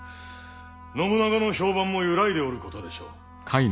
信長の評判も揺らいでおることでしょう。